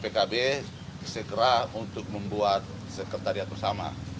pkb segera untuk membuat sekretariat bersama